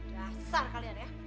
dasar kalian ya